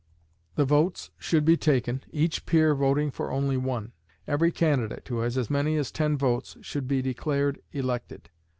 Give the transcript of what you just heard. The votes should be taken, each peer voting for only one. Every candidate who had as many as ten votes should be declared elected.